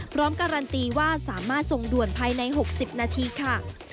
พร้อมการันตีว่าสามารถส่งด่วนภายใน๖๐นาทีค่ะ